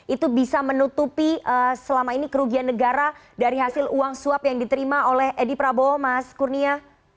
itu bisa menutupi selama ini kerugian negara dari hasil uang suap yang diterima oleh edi prabowo mas kurnia